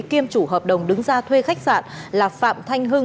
kiêm chủ hợp đồng đứng ra thuê khách sạn là phạm thanh hưng